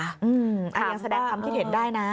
อย่างแสดงความที่เห็นได้นะ